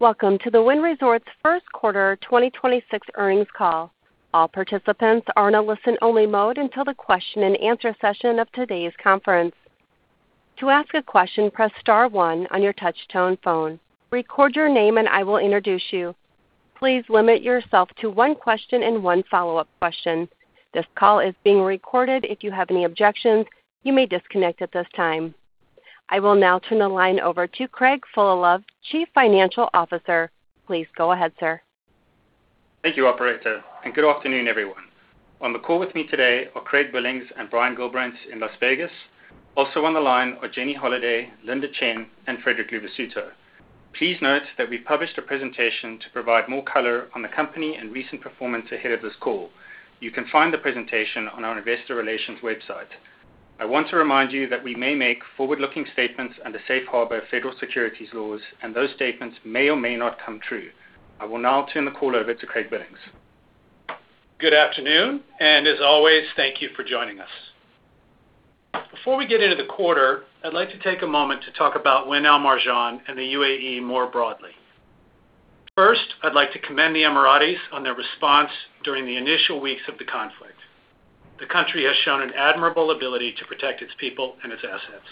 Welcome to the Wynn Resorts first quarter 2026 earnings call. All participants are in a listen-only mode until the question-and-answer session of today's conference. To ask a question, press star one on your touch-tone phone, record your name, and I will introduce you. Please limit yourself to one question and one follow-up question. This call is being recorded. If you have any objections, you may disconnect at this time. I will now turn the line over to Craig Fullalove, Chief Financial Officer. Please go ahead, sir. Thank you, operator, and good afternoon, everyone. On the call with me today are Craig Billings and Brian Gullbrants in Las Vegas. Also on the line are Jenny Holaday, Linda Chen, and Frederic Luvisutto. Please note that we published a presentation to provide more color on the company and recent performance ahead of this call. You can find the presentation on our investor relations website. I want to remind you that we may make forward-looking statements under safe harbor federal securities laws. Those statements may or may not come true. I will now turn the call over to Craig Billings. Good afternoon. As always, thank you for joining us. Before we get into the quarter, I'd like to take a moment to talk about Wynn Al Marjan and the UAE more broadly. First, I'd like to commend the Emiratis on their response during the initial weeks of the conflict. The country has shown an admirable ability to protect its people and its assets.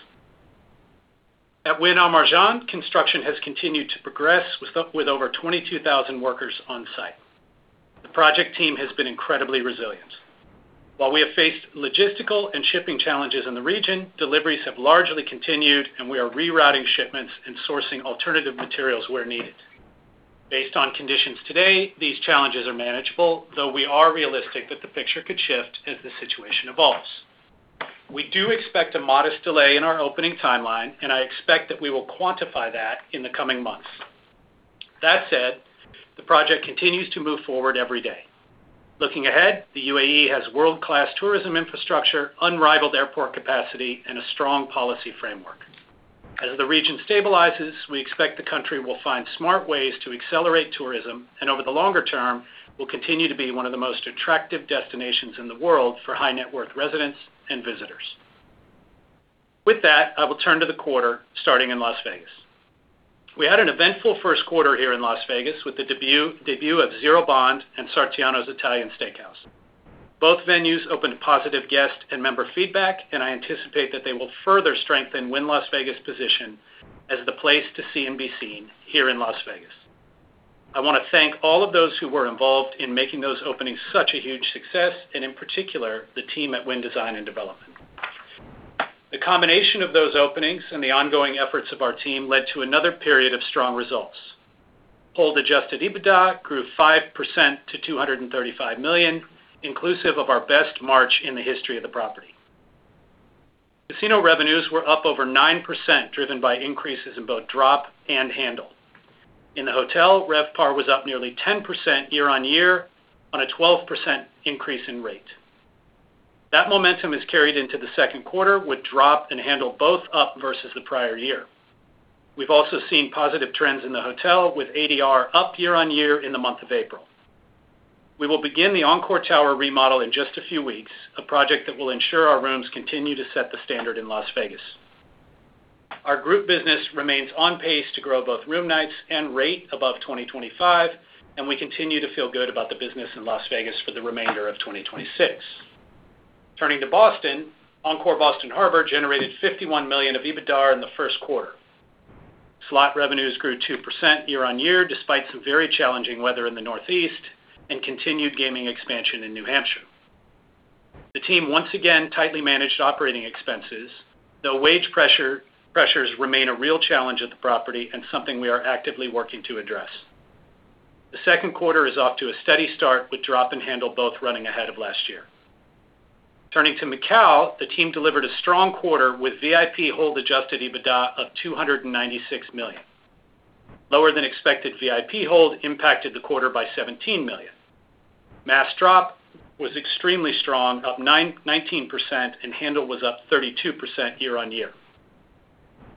At Wynn Al Marjan, construction has continued to progress with over 22,000 workers on site. The project team has been incredibly resilient. While we have faced logistical and shipping challenges in the region, deliveries have largely continued, and we are rerouting shipments and sourcing alternative materials where needed. Based on conditions today, these challenges are manageable, though we are realistic that the picture could shift as the situation evolves. We do expect a modest delay in our opening timeline, and I expect that we will quantify that in the coming months. That said, the project continues to move forward every day. Looking ahead, the UAE has world-class tourism infrastructure, unrivaled airport capacity, and a strong policy framework. As the region stabilizes, we expect the country will find smart ways to accelerate tourism and over the longer term will continue to be one of the most attractive destinations in the world for high-net-worth residents and visitors. With that, I will turn to the quarter starting in Las Vegas. We had an eventful first quarter here in Las Vegas with the debut of Zero Bond and Sartiano's Italian Steakhouse. Both venues opened positive guest and member feedback, and I anticipate that they will further strengthen Wynn Las Vegas position as the place to see and be seen here in Las Vegas. I want to thank all of those who were involved in making those openings such a huge success and in particular, the team at Wynn Design & Development. The combination of those openings and the ongoing efforts of our team led to another period of strong results. Hold adjusted EBITDA grew 5% to $235 million, inclusive of our best March in the history of the property. Casino revenues were up over 9%, driven by increases in both drop and handle. In the hotel, RevPAR was up nearly 10% year-on-year on a 12% increase in rate. That momentum is carried into the second quarter with drop and handle both up versus the prior year. We've also seen positive trends in the hotel, with ADR up year-on-year in the month of April. We will begin the Encore Tower remodel in just a few weeks, a project that will ensure our rooms continue to set the standard in Las Vegas. Our group business remains on pace to grow both room nights and rate above 2025, and we continue to feel good about the business in Las Vegas for the remainder of 2026. Turning to Boston, Encore Boston Harbor generated $51 million of EBITDA in the first quarter. Slot revenues grew 2% year-on-year, despite some very challenging weather in the Northeast and continued gaming expansion in New Hampshire. The team once again tightly managed operating expenses, though wage pressures remain a real challenge at the property and something we are actively working to address. The second quarter is off to a steady start with drop and handle both running ahead of last year. Turning to Macau, the team delivered a strong quarter with VIP hold adjusted EBITDA of $296 million. Lower than expected VIP hold impacted the quarter by $17 million. Mass drop was extremely strong, up 19% and handle was up 32% year on year.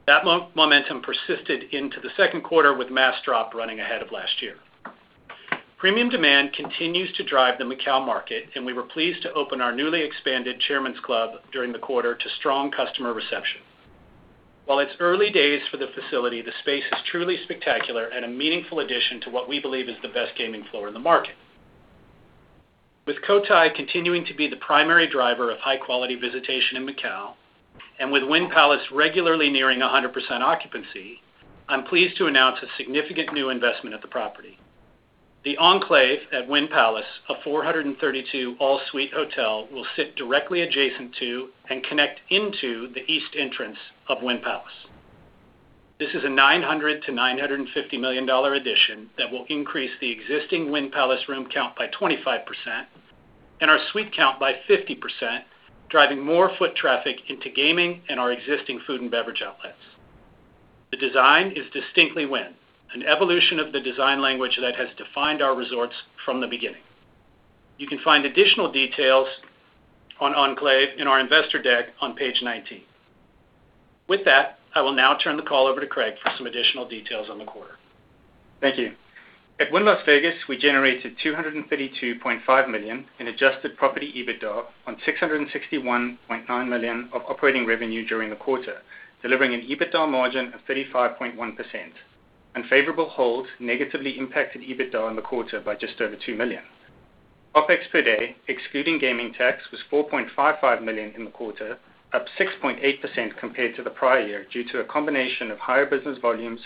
That momentum persisted into the second quarter with mass drop running ahead of last year. Premium demand continues to drive the Macau market, and we were pleased to open our newly expanded Chairman's Club during the quarter to strong customer reception. While it's early days for the facility, the space is truly spectacular and a meaningful addition to what we believe is the best gaming floor in the market. With Cotai continuing to be the primary driver of high-quality visitation in Macau and with Wynn Palace regularly nearing 100% occupancy, I'm pleased to announce a significant new investment at the property. The Encove at Wynn Palace, a 432 all-suite hotel, will sit directly adjacent to and connect into the east entrance of Wynn Palace. This is a $900 million-$950 million addition that will increase the existing Wynn Palace room count by 25% and our suite count by 50%, driving more foot traffic into gaming and our existing food and beverage outlets. The design is distinctly Wynn, an evolution of the design language that has defined our resorts from the beginning. You can find additional details on Enclave in our investor deck on page 19. With that, I will now turn the call over to Craig for some additional details on the quarter. Thank you At Wynn Las Vegas, we generated $232.5 million in adjusted property EBITDA on $661.9 million of operating revenue during the quarter, delivering an EBITDA margin of 35.1%. Unfavorable hold negatively impacted EBITDA in the quarter by just over $2 million. OpEx per day, excluding gaming tax, was $4.55 million in the quarter, up 6.8% compared to the prior year, due to a combination of higher business volumes,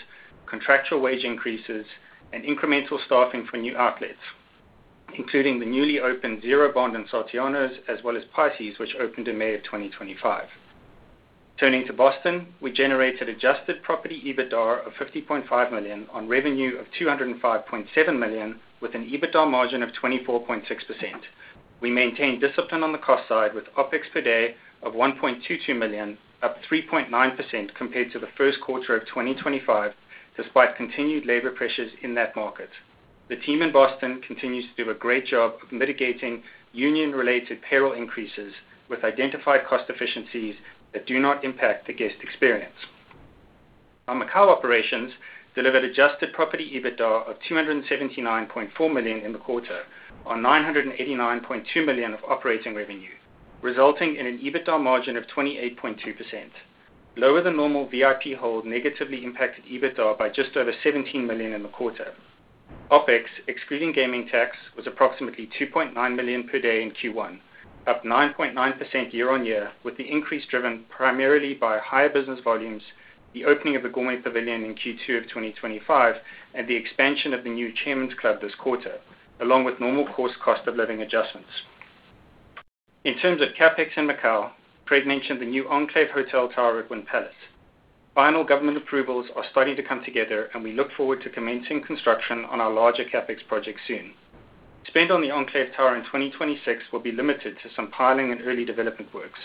contractual wage increases, and incremental staffing for new outlets, including the newly opened Zero Bond and Sartiano's, as well as PISCES, which opened in May 2025. Turning to Boston, we generated adjusted property EBITDA of $50.5 million on revenue of $205.7 million, with an EBITDA margin of 24.6%. We maintained discipline on the cost side with OpEx per day of $1.22 million, up 3.9% compared to the first quarter of 2025, despite continued labor pressures in that market. The team in Boston continues to do a great job of mitigating union-related payroll increases with identified cost efficiencies that do not impact the guest experience. Our Macau operations delivered adjusted property EBITDA of $279.4 million in the quarter on $989.2 million of operating revenue, resulting in an EBITDA margin of 28.2%. Lower than normal VIP hold negatively impacted EBITDA by just over $17 million in the quarter. OpEx, excluding gaming tax, was approximately $2.9 million per day in Q1, up 9.9% year-on-year, with the increase driven primarily by higher business volumes, the opening of the Gourmet Pavilion in Q2 of 2025, and the expansion of the new Chairman's Club this quarter, along with normal course cost of living adjustments. In terms of CapEx in Macau, Craig mentioned the new Enclave Hotel tower at Wynn Palace. Final government approvals are starting to come together, and we look forward to commencing construction on our larger CapEx project soon. Spend on the Enclave Tower in 2026 will be limited to some piling and early development works.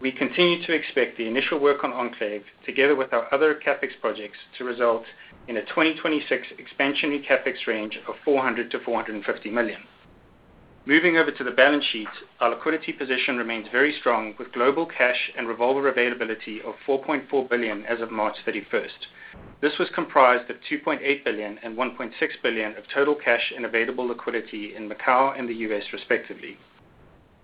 We continue to expect the initial work on Enclave, together with our other CapEx projects, to result in a 2026 expansion in CapEx range of $400 million-$450 million. Moving over to the balance sheet, our liquidity position remains very strong with global cash and revolver availability of $4.4 billion as of March 31st. This was comprised of $2.8 billion and $1.6 billion of total cash and available liquidity in Macau and the U.S. respectively.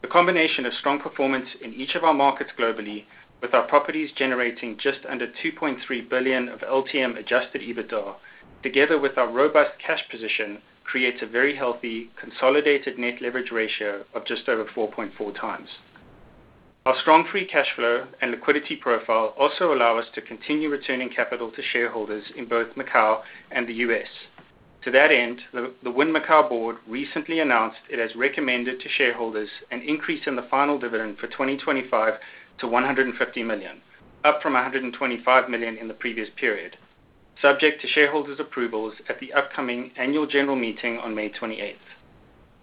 The combination of strong performance in each of our markets globally, with our properties generating just under $2.3 billion of LTM adjusted EBITDA, together with our robust cash position, creates a very healthy consolidated net leverage ratio of just over 4.4 times. Our strong free cash flow and liquidity profile also allow us to continue returning capital to shareholders in both Macau and the U.S. To that end, the Wynn Macau board recently announced it has recommended to shareholders an increase in the final dividend for 2025 to $150 million, up from $125 million in the previous period, subject to shareholder approvals at the upcoming annual general meeting on May 28th.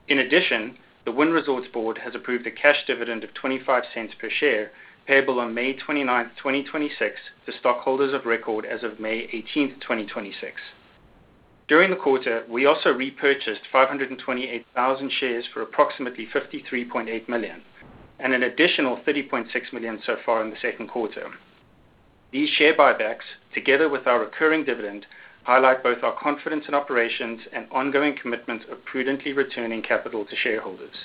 In addition, the Wynn Resorts board has approved a cash dividend of $0.25 per share, payable on May 29th, 2026 to stockholders of record as of May 18th, 2026. During the quarter, we also repurchased 528,000 shares for approximately $53.8 million and an additional $30.6 million so far in Q2. These share buybacks, together with our recurring dividend, highlight both our confidence in operations and ongoing commitment of prudently returning capital to shareholders.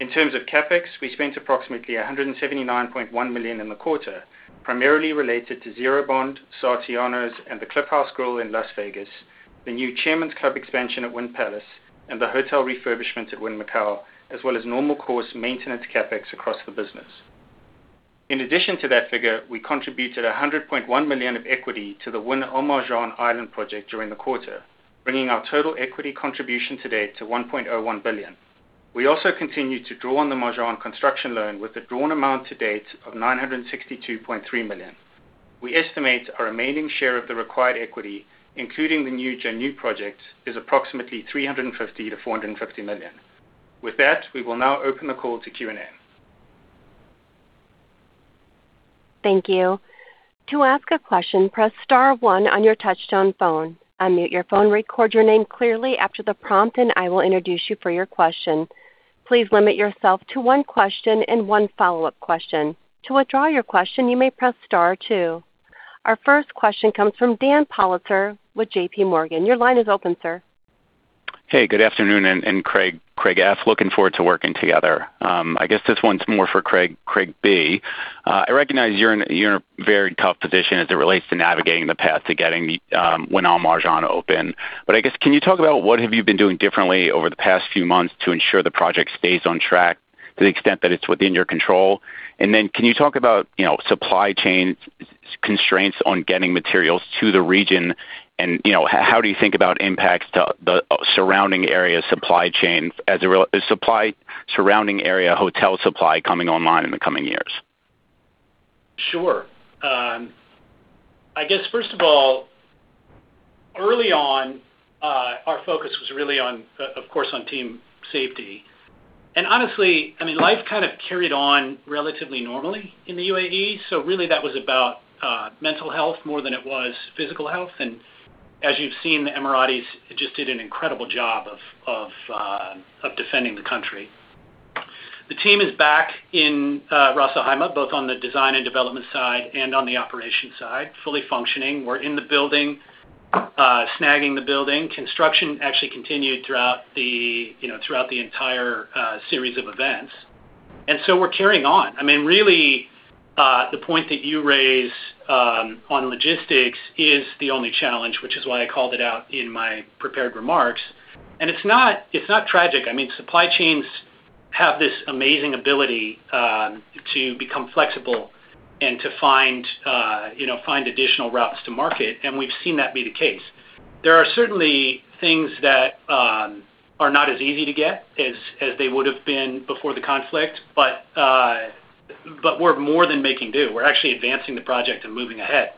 In terms of CapEx, we spent approximately $179.1 million in the quarter, primarily related to Zero Bond, Sartiano's, and The Fairway Grill in Las Vegas, the new Chairman's Club expansion at Wynn Palace, and the hotel refurbishment at Wynn Macau, as well as normal course maintenance CapEx across the business. In addition to that figure, we contributed $100.1 million of equity to the Wynn Al Marjan Island project during the quarter, bringing our total equity contribution to date to $1.01 billion. We also continue to draw on the Marjan construction loan with the drawn amount to date of $962.3 million. We estimate our remaining share of the required equity, including the new Geneve project, is approximately $350 million-$450 million. With that, we will now open the call to Q&A. Thank you. To ask a question, press star one on your touchtone phone. Unmute your phone, record your name clearly after the prompt, and I will introduce you for your question. Please limit yourself to one question and one follow-up question. To withdraw your question, you may press star two. Our first question comes from Dan Politzer with JPMorgan. Your line is open, sir. Hey, good afternoon, and Craig F., looking forward to working together. I guess this one's more for Craig B. I recognize you're in a very tough position as it relates to navigating the path to getting the Wynn Al Marjan open. Can you talk about what have you been doing differently over the past few months to ensure the project stays on track to the extent that it's within your control? Then can you talk about, you know, supply chain constraints on getting materials to the region? How do you think about impacts to the surrounding area supply chain surrounding area hotel supply coming online in the coming years? Sure. I guess, first of all, early on, our focus was really on, of course, on team safety. Honestly, I mean, life kind of carried on relatively normally in the UAE. Really, that was about mental health more than it was physical health. As you've seen, the Emiratis just did an incredible job of defending the country. The team is back in Ras Al Khaimah, both on the design and development side and on the operation side, fully functioning. We're in the building, snagging the building. Construction actually continued throughout the, you know, throughout the entire series of events. We're carrying on. I mean, really, the point that you raise on logistics is the only challenge, which is why I called it out in my prepared remarks. It's not, it's not tragic. I mean, supply chains have this amazing ability to become flexible and to find, you know, find additional routes to market, and we've seen that be the case. There are certainly things that are not as easy to get as they would've been before the conflict, but we're more than making do. We're actually advancing the project and moving ahead.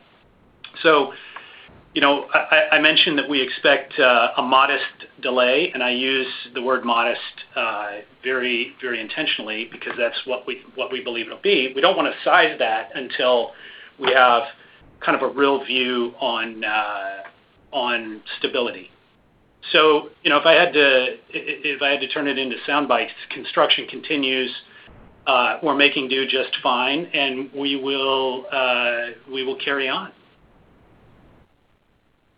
You know, I mentioned that we expect a modest delay, and I use the word modest very, very intentionally because that's what we believe it'll be. We don't wanna size that until we have kind of a real view on stability. You know, if I had to turn it into sound bites, construction continues, we're making do just fine and we will carry on.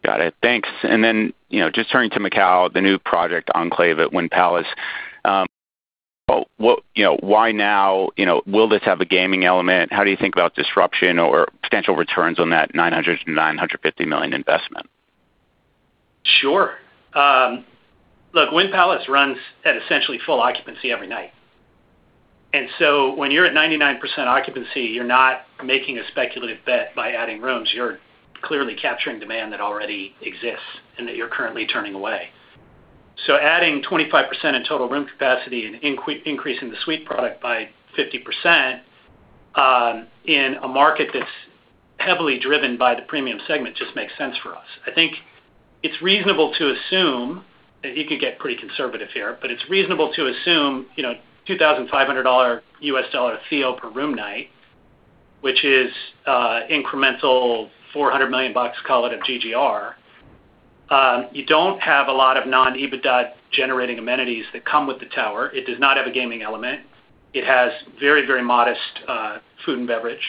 Got it. Thanks. You know, just turning to Macau, the new project Enclave at Wynn Palace. You know, why now? You know, will this have a gaming element? How do you think about disruption or potential returns on that $900 million-$950 million investment? Sure. Look, Wynn Palace runs at essentially full occupancy every night. When you're at 99% occupancy, you're not making a speculative bet by adding rooms. You're clearly capturing demand that already exists and that you're currently turning away. Adding 25% in total room capacity and increasing the suite product by 50%, in a market that's heavily driven by the premium segment just makes sense for us. I think it's reasonable to assume, and you could get pretty conservative here, but it's reasonable to assume, $2,500 USD fee per room night, which is incremental $400 million, call it a GGR. You don't have a lot of non-EBITDA generating amenities that come with the tower. It does not have a gaming element. It has very, very modest food and beverage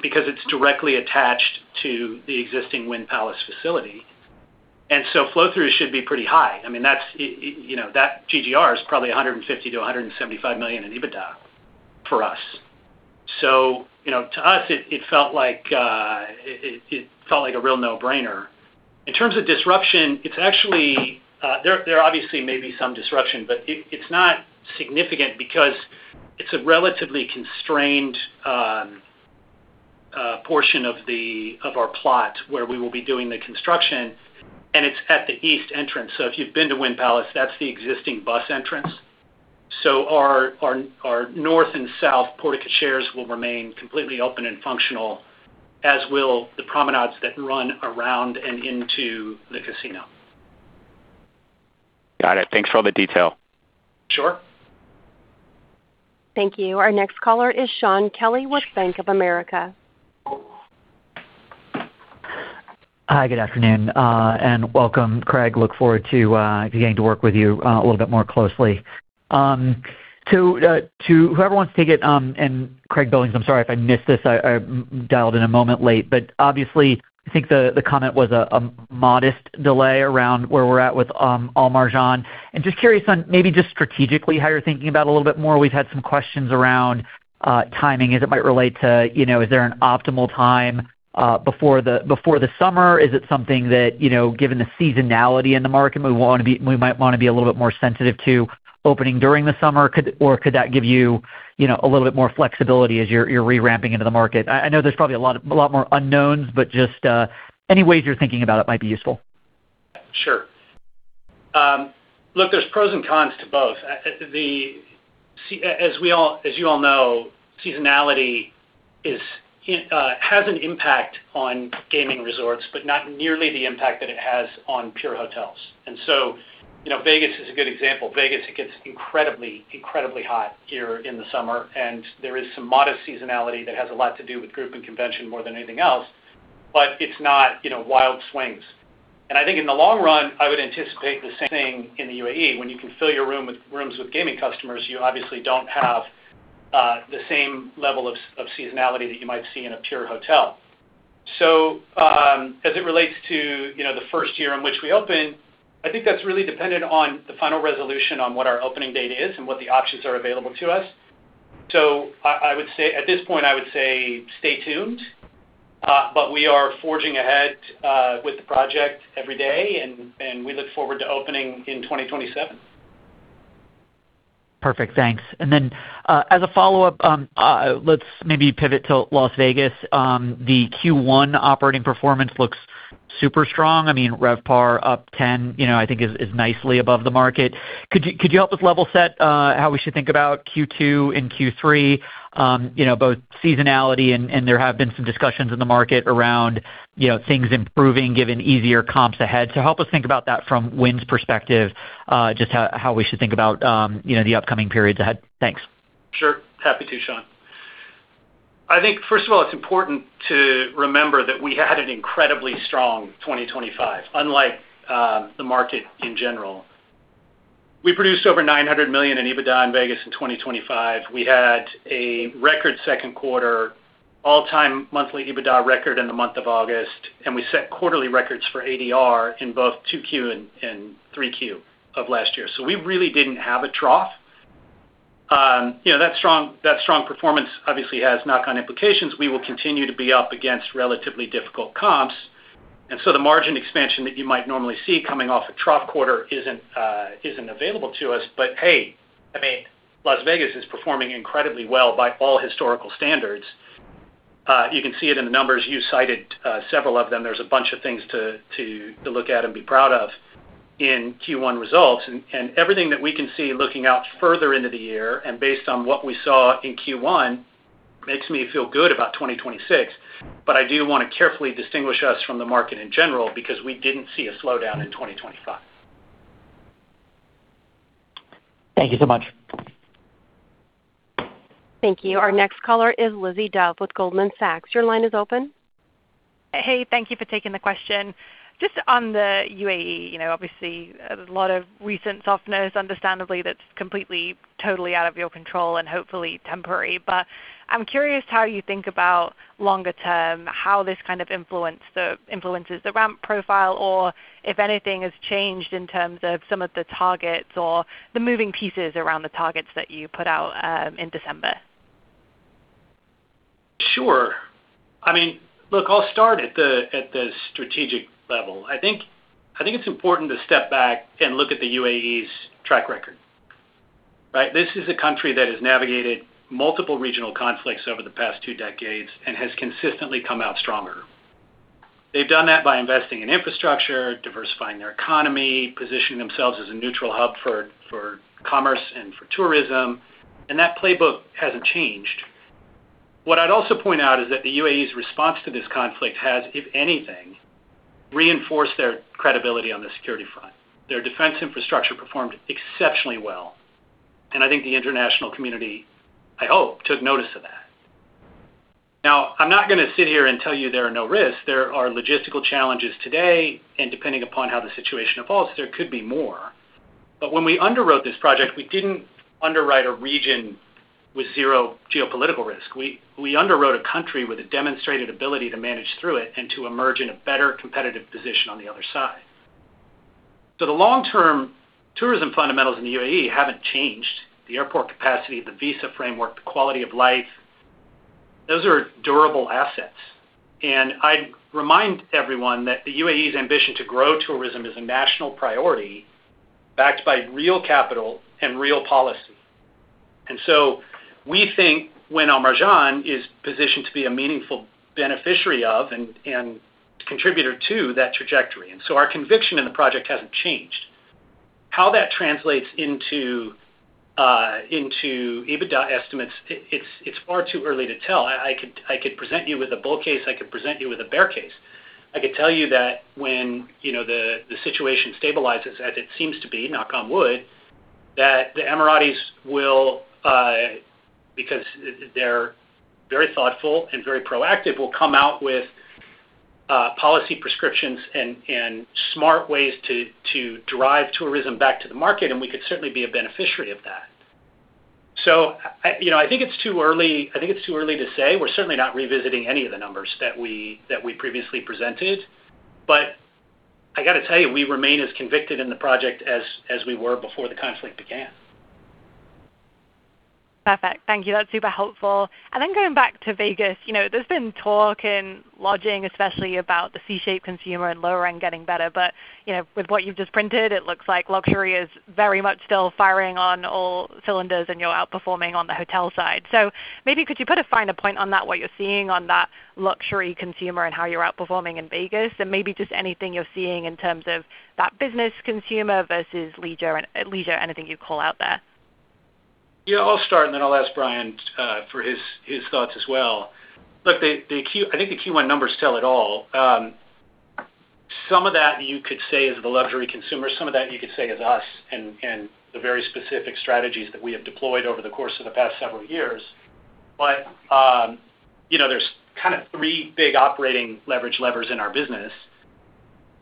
because it's directly attached to the existing Wynn Palace facility. Flow through should be pretty high. I mean, that's, you know, that GGR is probably $150 million-$175 million in EBITDA for us. You know, to us, it felt like a real no-brainer. In terms of disruption, it's actually there obviously may be some disruption, but it's not significant because it's a relatively constrained portion of our plot where we will be doing the construction, and it's at the east entrance. If you've been to Wynn Palace, that's the existing bus entrance. Our north and south porte cocheres will remain completely open and functional, as will the promenades that run around and into the casino. Got it. Thanks for all the detail. Sure. Thank you. Our next caller is Shaun Kelley with Bank of America. Hi, good afternoon, and welcome, Craig. Look forward to getting to work with you a little bit more closely. To whoever wants to take it, and Craig Billings, I'm sorry if I missed this, I dialed in a moment late. Obviously, I think the comment was a modest delay around where we're at with Al Marjan. Just curious on maybe just strategically how you're thinking about a little bit more. We've had some questions around timing as it might relate to, you know, is there an optimal time before the before the summer? Is it something that, you know, given the seasonality in the market, we might wanna be a little bit more sensitive to opening during the summer? Could that give you know, a little bit more flexibility as you're re-ramping into the market? I know there's probably a lot more unknowns, but just any ways you're thinking about it might be useful. Sure. Look, there's pros and cons to both. As you all know, seasonality has an impact on gaming resorts, but not nearly the impact that it has on pure hotels. You know, Vegas is a good example. Vegas, it gets incredibly hot here in the summer, and there is some modest seasonality that has a lot to do with group and convention more than anything else, but it's not, you know, wild swings. I think in the long run, I would anticipate the same in the UAE. When you can fill your rooms with gaming customers, you obviously don't have the same level of seasonality that you might see in a pure hotel. As it relates to, you know, the first year in which we open, I think that's really dependent on the final resolution on what our opening date is and what the options are available to us. At this point, I would say stay tuned. We are forging ahead with the project every day and we look forward to opening in 2027. Perfect. Thanks. Then, as a follow-up, let's maybe pivot to Las Vegas. The Q1 operating performance looks super strong. I mean, RevPAR up 10, you know, I think is nicely above the market. Could you help us level set, how we should think about Q2 and Q3? You know, both seasonality and, there have been some discussions in the market around, you know, things improving given easier comps ahead. Help us think about that from Wynn's perspective, just how we should think about, you know, the upcoming periods ahead. Thanks. Sure. Happy to, Shaun. I think first of all, it's important to remember that we had an incredibly strong 2025, unlike the market in general. We produced over $900 million in EBITDA in Vegas in 2025. We had a record second quarter all-time monthly EBITDA record in the month of August, and we set quarterly records for ADR in both 2Q and 3Q of last year. We really didn't have a trough. You know, that strong performance obviously has knock-on implications. We will continue to be up against relatively difficult comps, the margin expansion that you might normally see coming off a trough quarter isn't available to us. Hey, I mean, Las Vegas is performing incredibly well by all historical standards. You can see it in the numbers. You cited several of them. There's a bunch of things to look at and be proud of in Q1 results. Everything that we can see looking out further into the year and based on what we saw in Q1 makes me feel good about 2026. I do want to carefully distinguish us from the market in general, because we didn't see a slowdown in 2025. Thank you so much. Thank you. Our next caller is Lizzie Dove with Goldman Sachs. Your line is open. Thank you for taking the question. On the UAE, you know, obviously a lot of recent softness, understandably, that's completely, totally out of your control and hopefully temporary. I'm curious how you think about longer term, how this kind of influences the ramp profile, or if anything has changed in terms of some of the targets or the moving pieces around the targets that you put out in December. Sure. I mean, look, I'll start at the strategic level. I think it's important to step back and look at the UAE's track record, right? This is a country that has navigated multiple regional conflicts over the past two decades and has consistently come out stronger. They've done that by investing in infrastructure, diversifying their economy, positioning themselves as a neutral hub for commerce and for tourism. That playbook hasn't changed. What I'd also point out is that the UAE's response to this conflict has, if anything, reinforced their credibility on the security front. Their defense infrastructure performed exceptionally well. I think the international community, I hope, took notice of that. Now, I'm not gonna sit here and tell you there are no risks. There are logistical challenges today. Depending upon how the situation evolves, there could be more. When we underwrote this project, we didn't underwrite a region with zero geopolitical risk. We underwrote a country with a demonstrated ability to manage through it and to emerge in a better competitive position on the other side. The long-term tourism fundamentals in the UAE haven't changed. The airport capacity, the visa framework, the quality of life, those are durable assets. I'd remind everyone that the UAE's ambition to grow tourism is a national priority backed by real capital and real policy. We think Wynn Al Marjan is positioned to be a meaningful beneficiary of and contributor to that trajectory. Our conviction in the project hasn't changed. How that translates into into EBITDA estimates, it's far too early to tell. I could present you with a bull case, I could present you with a bear case. I could tell you that when, you know, the situation stabilizes, as it seems to be, knock on wood, that the Emiratis will, because they're very thoughtful and very proactive, will come out with policy prescriptions and smart ways to drive tourism back to the market, and we could certainly be a beneficiary of that. You know, I think it's too early to say. We're certainly not revisiting any of the numbers that we previously presented. I gotta tell you, we remain as convicted in the project as we were before the conflict began. Perfect. Thank you. That's super helpful. Going back to Vegas, you know, there's been talk in lodging, especially about the C-shaped consumer and lower end getting better. You know, with what you've just printed, it looks like luxury is very much still firing on all cylinders, and you're outperforming on the hotel side. Maybe could you put a finer point on that, what you're seeing on that luxury consumer and how you're outperforming in Vegas? Maybe just anything you're seeing in terms of that business consumer versus leisure, anything you call out there. I'll start, and then I'll ask Brian for his thoughts as well. Look, I think the Q1 numbers tell it all. Some of that you could say is the luxury consumer. Some of that you could say is us and the very specific strategies that we have deployed over the course of the past several years. You know, there's kind of three big operating leverage levers in our business: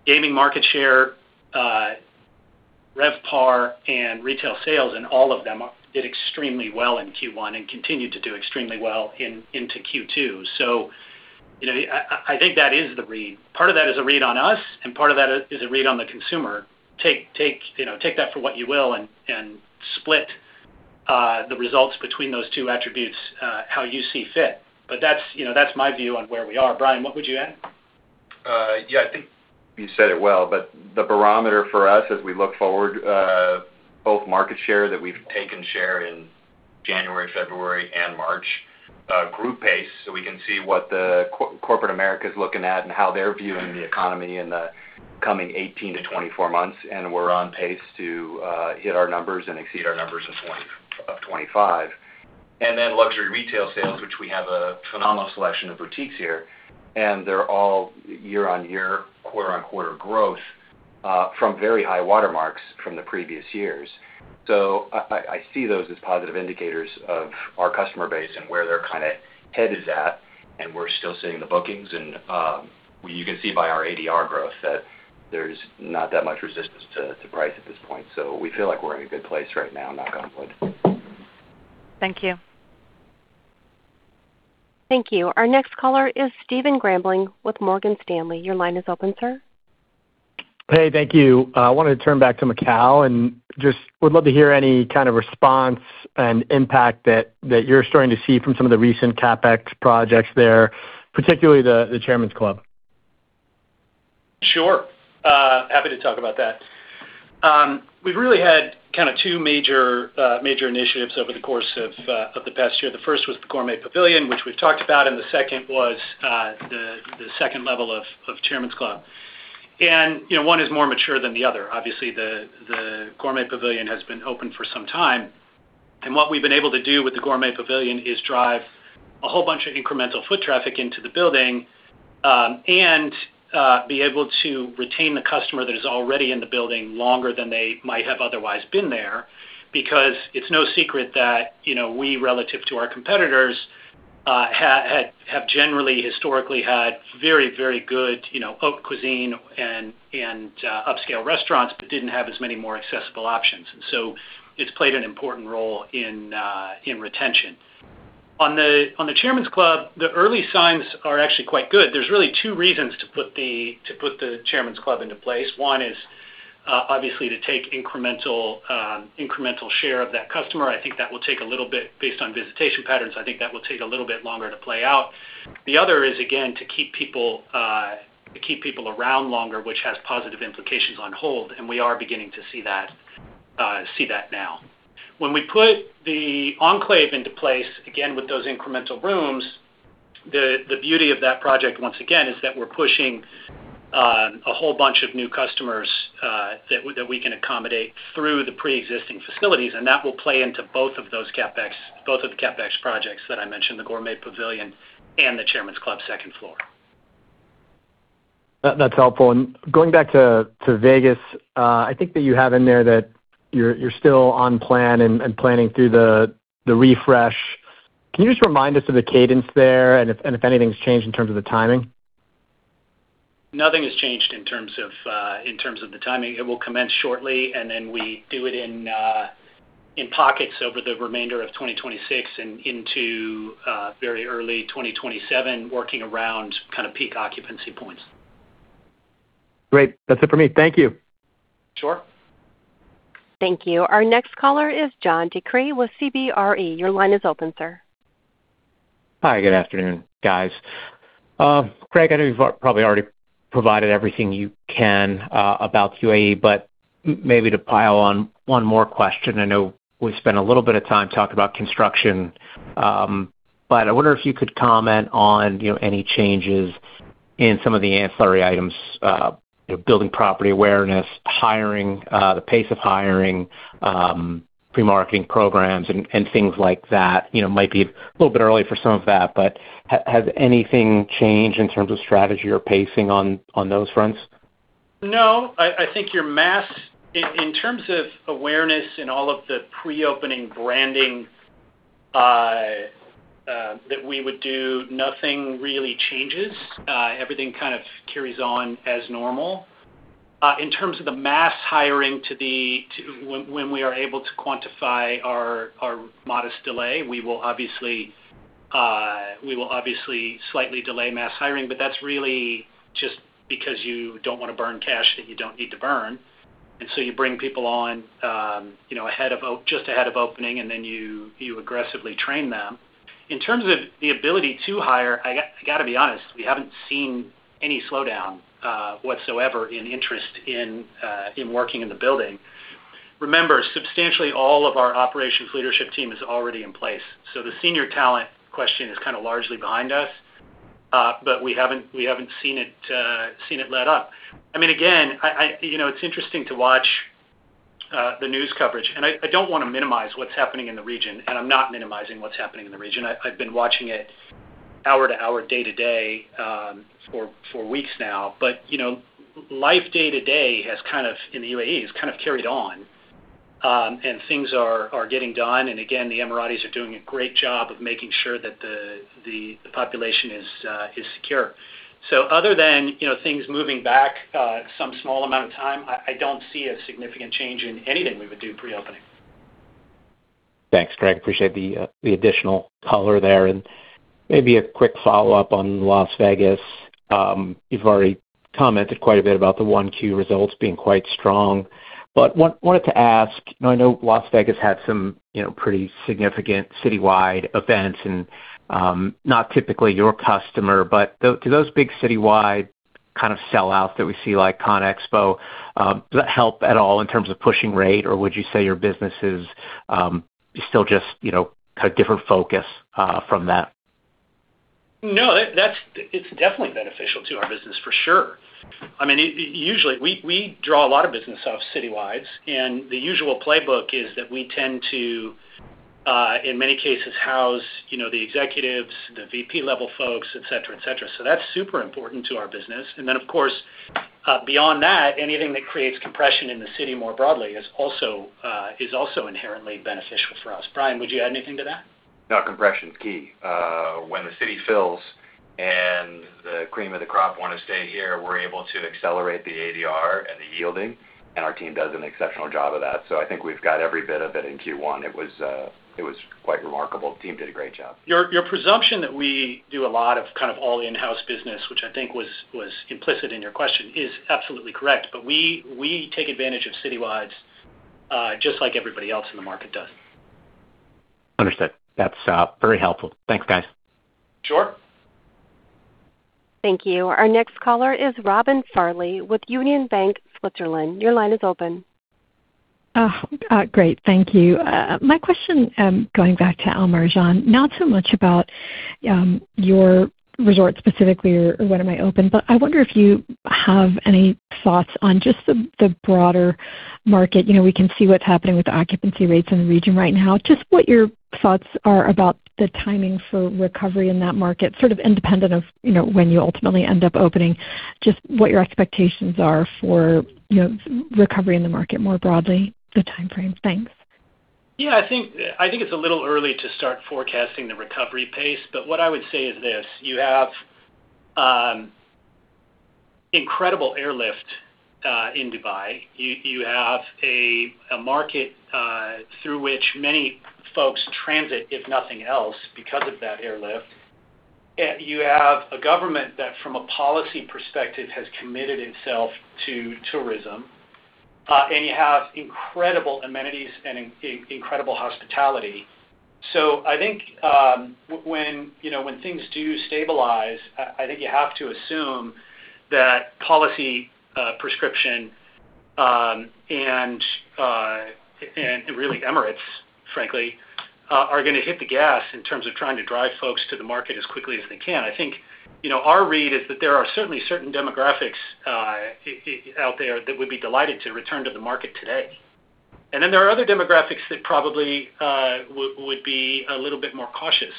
gaming market share, RevPAR, and retail sales, and all of them did extremely well in Q1 and continue to do extremely well into Q2. You know, I think that is the read. Part of that is a read on us, and part of that is a read on the consumer. Take, you know, take that for what you will and split the results between those two attributes, how you see fit. That's, you know, that's my view on where we are. Brian, what would you add? Yeah, I think you said it well. The barometer for us as we look forward, both market share, that we've taken share in January, February, and March. Group pace, so we can see what corporate America's looking at and how they're viewing the economy in the coming 18 to 24 months, and we're on pace to hit our numbers and exceed our numbers of 2025. Then luxury retail sales, which we have a phenomenal selection of boutiques here, and they're all year-on-year, quarter-on-quarter growth. From very high watermarks from the previous years. I see those as positive indicators of our customer base and where they're kind of headed at, and we're still seeing the bookings and, you can see by our ADR growth that there's not that much resistance to price at this point. We feel like we're in a good place right now, knock on wood. Thank you. Thank you. Our next caller is Stephen Grambling with Morgan Stanley. Your line is open, sir. Hey, thank you. I wanted to turn back to Macau and just would love to hear any kind of response and impact that you're starting to see from some of the recent CapEx projects there, particularly the Chairman's Club. Sure. Happy to talk about that. We've really had kind of two major initiatives over the course of the past year. The first was the Gourmet Pavilion, which we've talked about, and the second was the second level of Chairman's Club. You know, one is more mature than the other. Obviously, the Gourmet Pavilion has been open for some time. What we've been able to do with the Gourmet Pavilion is drive a whole bunch of incremental foot traffic into the building, and be able to retain the customer that is already in the building longer than they might have otherwise been there. Because it's no secret that, you know, we relative to our competitors, have generally historically had very, very good, you know, haute cuisine and upscale restaurants, but didn't have as many more accessible options. It's played an important role in retention. On the, on the Chairman's Club, the early signs are actually quite good. There's really two reasons to put the, to put the Chairman's Club into place. One is, obviously to take incremental share of that customer. I think that will take a little bit based on visitation patterns. I think that will take a little bit longer to play out. The other is, again, to keep people, to keep people around longer, which has positive implications on hold, and we are beginning to see that, see that now. When we put the Enclave into place, again, with those incremental rooms, the beauty of that project, once again, is that we're pushing a whole bunch of new customers that we can accommodate through the pre-existing facilities, and that will play into both of the CapEx projects that I mentioned, the Gourmet Pavilion and the Chairman's Club second floor. That's helpful. Going back to Vegas, I think that you have in there that you're still on plan and planning through the refresh. Can you just remind us of the cadence there and if anything's changed in terms of the timing? Nothing has changed in terms of, in terms of the timing. It will commence shortly, and then we do it in pockets over the remainder of 2026 and into, very early 2027, working around kind of peak occupancy points. Great. That's it for me. Thank you. Sure. Thank you. Our next caller is John DeCree with CBRE. Your line is open, sir. Hi, good afternoon, guys. Craig, I know you've probably already provided everything you can about UAE, but maybe to pile on one more question. I know we spent a little bit of time talking about construction. But I wonder if you could comment on, you know, any changes in some of the ancillary items, you know, building property awareness, hiring, the pace of hiring, pre-marketing programs and things like that. You know, it might be a little bit early for some of that, but has anything changed in terms of strategy or pacing on those fronts? No, I think your mass in terms of awareness and all of the pre-opening branding that we would do, nothing really changes. Everything kind of carries on as normal. In terms of the mass hiring when we are able to quantify our modest delay, we will obviously slightly delay mass hiring, but that's really just because you don't wanna burn cash that you don't need to burn. You bring people on, you know, just ahead of opening, and then you aggressively train them. In terms of the ability to hire, I gotta be honest, we haven't seen any slowdown whatsoever in interest in working in the building. Remember, substantially all of our operations leadership team is already in place. The senior talent question is kind of largely behind us, but we haven't seen it let up. I mean, again, I, you know, it's interesting to watch the news coverage. I don't wanna minimize what's happening in the region, and I'm not minimizing what's happening in the region. I've been watching it hour to hour, day to day, for weeks now. You know, life day to day has kind of, in the UAE, has kind of carried on, and things are getting done. Again, the Emiratis are doing a great job of making sure that the population is secure. Other than, you know, things moving back some small amount of time, I don't see a significant change in anything we would do pre-opening. Thanks, Craig. Appreciate the additional color there. Maybe a quick follow-up on Las Vegas. You've already commented quite a bit about the Q1 results being quite strong. Wanted to ask, I know Las Vegas had some, you know, pretty significant citywide events and, not typically your customer, but to those big citywide kind of sellouts that we see like ConExpo, does that help at all in terms of pushing rate? Or would you say your business is still just, you know, kind of different focus from that? No, that's definitely beneficial to our business for sure. I mean, usually, we draw a lot of business off citywides, and the usual playbook is that we tend to in many cases, house, you know, the executives, the VP level folks, et cetera. That's super important to our business. Of course, beyond that, anything that creates compression in the city more broadly is also inherently beneficial for us. Brian, would you add anything to that? Compression's key. When the city fills and the cream of the crop want to stay here, we're able to accelerate the ADR and the yielding, and our team does an exceptional job of that. I think we've got every bit of it in Q1. It was quite remarkable. The team did a great job. Your presumption that we do a lot of kind of all in-house business, which I think was implicit in your question, is absolutely correct. We take advantage of citywides, just like everybody else in the market does. Understood. That's very helpful. Thanks, guys. Sure. Thank you. Our next caller is Robin Farley with Union Bank of Switzerland. Your line is open. Great. Thank you. My question, going back to Al Marjan, not so much about your resort specifically or when it might open, but I wonder if you have any thoughts on just the broader market. You know, we can see what's happening with the occupancy rates in the region right now. Just what your thoughts are about the timing for recovery in that market, sort of independent of, you know, when you ultimately end up opening, just what your expectations are for, you know, recovery in the market more broadly, the timeframe. Thanks. I think it's a little early to start forecasting the recovery pace, but what I would say is this: you have incredible airlift in Dubai. You have a market through which many folks transit, if nothing else, because of that airlift. You have a government that, from a policy perspective, has committed itself to tourism, and you have incredible amenities and incredible hospitality. I think, when you know, when things do stabilize, I think you have to assume that policy prescription, and really Emirates, frankly, are gonna hit the gas in terms of trying to drive folks to the market as quickly as they can. I think, you know, our read is that there are certainly certain demographics out there that would be delighted to return to the market today. There are other demographics that probably would be a little bit more cautious.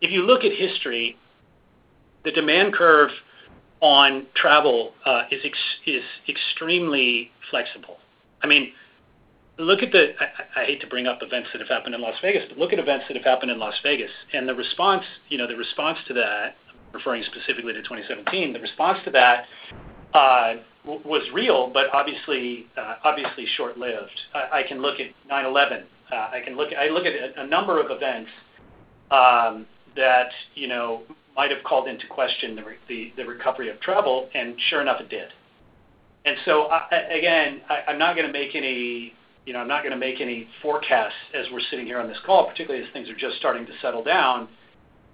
If you look at history, the demand curve on travel is extremely flexible. I mean, look at the I hate to bring up events that have happened in Las Vegas, but look at events that have happened in Las Vegas and the response, you know, the response to that, referring specifically to 2017, the response to that was real, but obviously short-lived. I can look at 9/11. I can look at a number of events that, you know, might have called into question the recovery of travel, and sure enough, it did. Again, I'm not gonna make any, you know, I'm not gonna make any forecasts as we're sitting here on this call, particularly as things are just starting to settle down,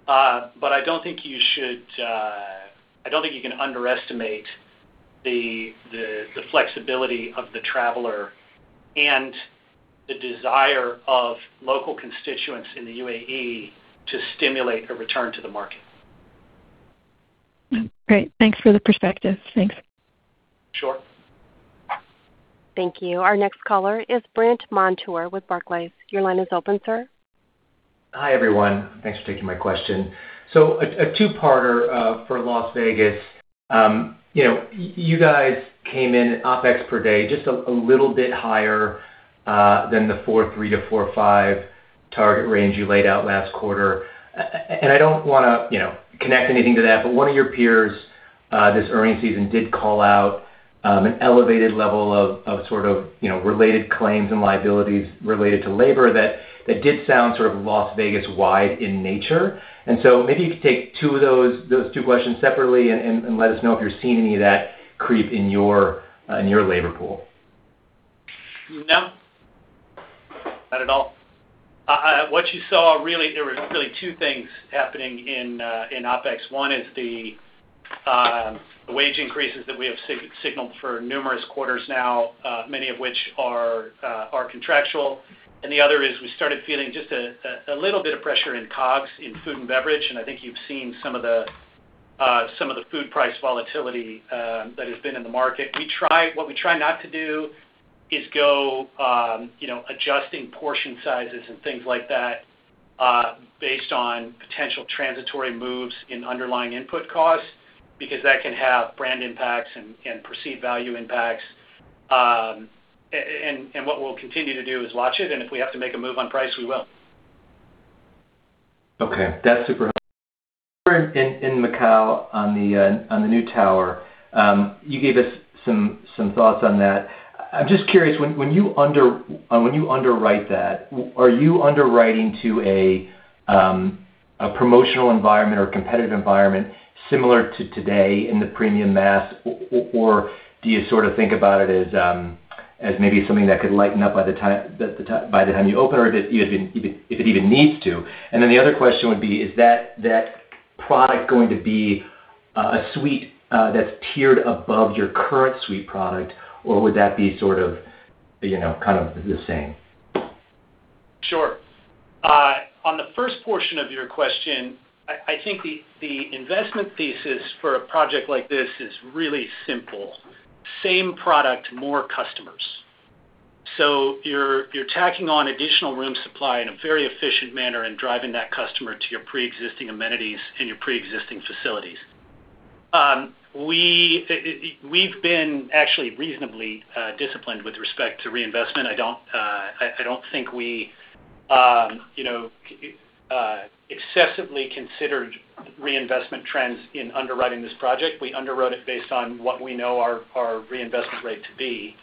but I don't think you should, I don't think you can underestimate the flexibility of the traveler and the desire of local constituents in the UAE to stimulate a return to the market. Great. Thanks for the perspective. Thanks. Sure. Thank you. Our next caller is Brandt Montour with Barclays. Your line is open, sir. Hi, everyone. Thanks for taking my question. A two-parter for Las Vegas. You know, you guys came in OpEx per day just a little bit higher than the $43-$45 target range you laid out last quarter. I don't wanna, you know, connect anything to that, but one of your peers this earnings season did call out an elevated level of sort of, you know, related claims and liabilities related to labor that did sound sort of Las Vegas wide in nature. Maybe you could take two of those two questions separately and let us know if you're seeing any of that creep in your labor pool. No, not at all. What you saw really, there were really two things happening in OpEx. One is the wage increases that we have signaled for numerous quarters now, many of which are contractual. The other is we started feeling just a little bit of pressure in COGS, in food and beverage, and I think you've seen some of the food price volatility that has been in the market. What we try not to do is go, you know, adjusting portion sizes and things like that, based on potential transitory moves in underlying input costs because that can have brand impacts and perceived value impacts. What we'll continue to do is watch it, and if we have to make a move on price, we will. Okay. That's super helpful. In Macau on the new tower, you gave us some thoughts on that. I'm just curious, when you underwrite that, are you underwriting to a promotional environment or competitive environment similar to today in the premium mass, or do you sort of think about it as maybe something that could lighten up by the time you open, or if it even needs to? The other question would be, is that product going to be a suite that's tiered above your current suite product, or would that be sort of, you know, kind of the same? Sure. on the first portion of your question, I think the investment thesis for a project like this is really simple. Same product, more customers. You're tacking on additional room supply in a very efficient manner and driving that customer to your pre-existing amenities and your pre-existing facilities. We've been actually reasonably disciplined with respect to reinvestment. I don't, I don't think we, you know, excessively considered reinvestment trends in underwriting this project. We underwrote it based on what we know our reinvestment rate to be.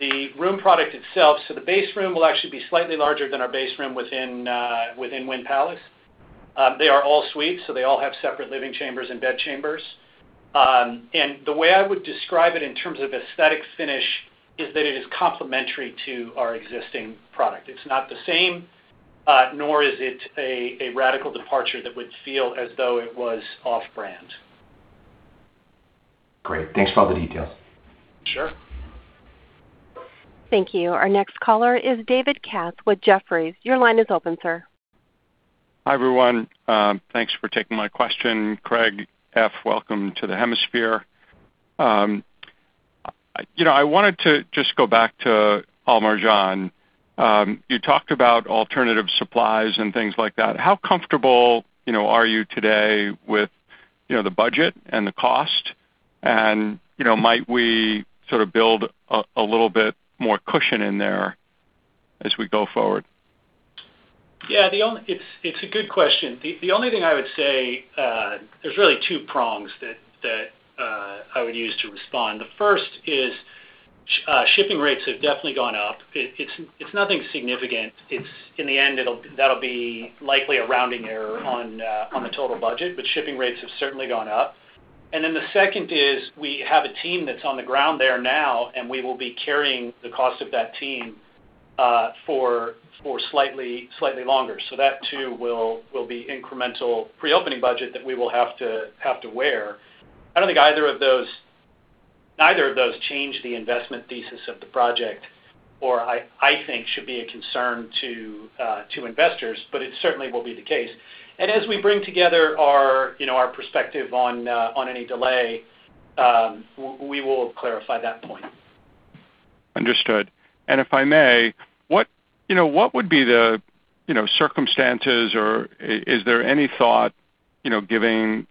The room product itself, so the base room will actually be slightly larger than our base room within Wynn Palace. They are all suites, so they all have separate living chambers and bed chambers. The way I would describe it in terms of aesthetic finish is that it is complementary to our existing product. It's not the same, nor is it a radical departure that would feel as though it was off-brand. Great. Thanks for all the details. Sure. Thank you. Our next caller is David Katz with Jefferies. Your line is open, sir. Hi, everyone. Thanks for taking my question. Craig F., welcome to the hemisphere. I, you know, I wanted to just go back to Al Marjan. You talked about alternative supplies and things like that. How comfortable, you know, are you today with, you know, the budget and the cost? You know, might we sort of build a little bit more cushion in there as we go forward? Yeah, it's a good question. The only thing I would say, there's really two prongs that I would use to respond. The first is shipping rates have definitely gone up. It's nothing significant. In the end, that'll be likely a rounding error on the total budget, shipping rates have certainly gone up. The second is we have a team that's on the ground there now, and we will be carrying the cost of that team for slightly longer. That too will be incremental pre-opening budget that we will have to wear. I don't think either of those, neither of those change the investment thesis of the project or I think should be a concern to investors, but it certainly will be the case. As we bring together our, you know, our perspective on any delay, we will clarify that point. Understood. If I may, what, you know, what would be the, you know, circumstances or is there any thought, you know, given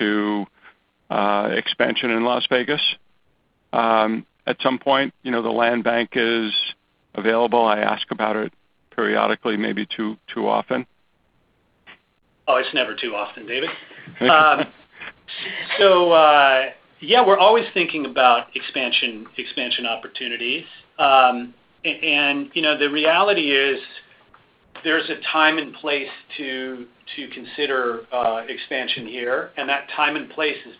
to expansion in Las Vegas at some point? You know, the land bank is available. I ask about it periodically, maybe too often. It's never too often, David. Yeah, we're always thinking about expansion opportunities. You know, the reality is there's a time and place to consider expansion here, and that time and place is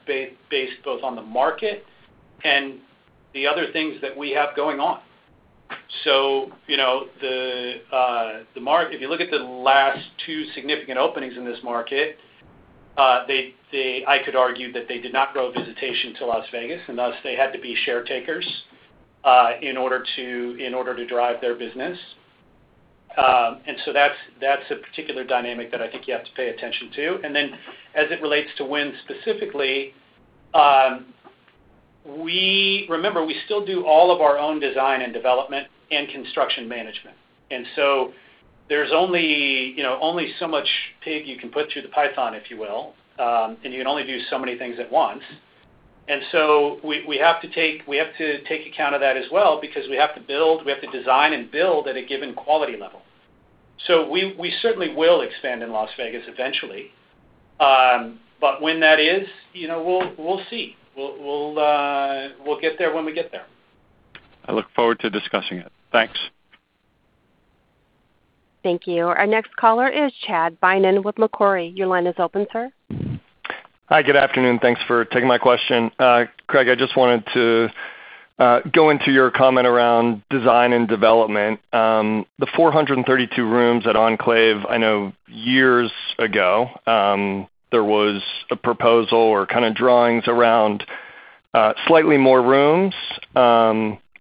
based both on the market and the other things that we have going on. You know, if you look at the last two significant openings in this market, I could argue that they did not grow visitation to Las Vegas, and thus they had to be share takers in order to drive their business. That's a particular dynamic that I think you have to pay attention to. As it relates to Wynn specifically, we still do all of our own design and development and construction management. There's only, you know, only so much pig you can put through the python, if you will. You can only do so many things at once. We have to take account of that as well because we have to build, we have to design and build at a given quality level. We certainly will expand in Las Vegas eventually. When that is, you know, we'll see. We'll get there when we get there. I look forward to discussing it. Thanks. Thank you. Our next caller is Chad Beynon with Macquarie. Your line is open, sir. Hi, good afternoon. Thanks for taking my question. Craig, I just wanted to go into your comment around design and development. The 432 rooms at Enclave, I know years ago, there was a proposal or kind of drawings around slightly more rooms.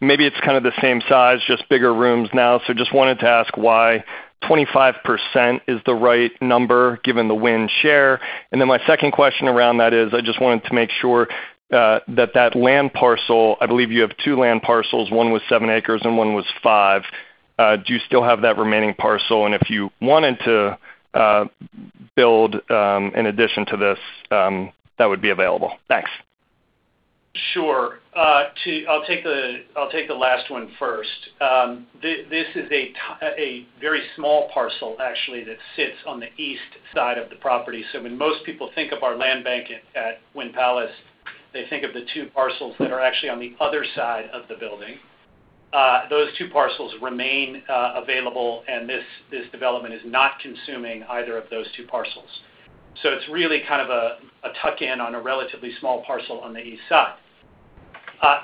Maybe it's kind of the same size, just bigger rooms now. Just wanted to ask why 25% is the right number given the Wynn share. My second question around that is, I just wanted to make sure that that land parcel, I believe you have two land parcels, one was 7 acres and one was 5 acres, do you still have that remaining parcel? If you wanted to build in addition to this, that would be available. Thanks. Sure. I'll take the last one first. This is a very small parcel actually that sits on the east side of the property. When most people think of our land bank at Wynn Palace, they think of the two parcels that are actually on the other side of the building. Those two parcels remain available, and this development is not consuming either of those two parcels. It's really kind of a tuck in on a relatively small parcel on the east side.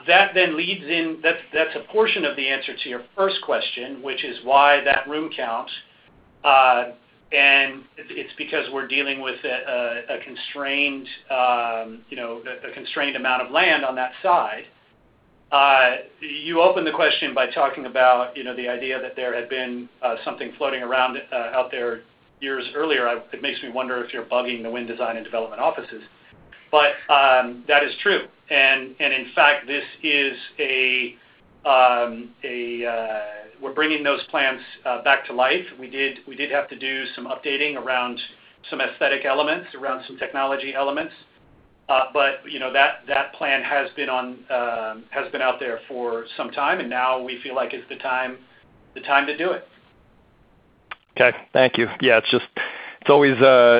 That then leads in. That's a portion of the answer to your first question, which is why that room count. It's because we're dealing with a constrained, you know, a constrained amount of land on that side. You opened the question by talking about, you know, the idea that there had been something floating around out there years earlier. It makes me wonder if you're bugging the Wynn Design & Development offices. That is true. In fact, We're bringing those plans back to life. We did have to do some updating around some aesthetic elements, around some technology elements. You know, that plan has been out there for some time, and now we feel like it's the time to do it. Okay. Thank you. Yeah, it's just, it's always